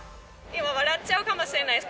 笑っちゃうかもしれないです。